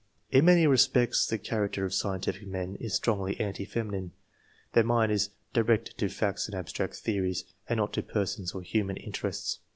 In many respects the character of scientific men is strongly anti feminine ; their mind is directed to facts and abstract theories, and not to persons or human interests.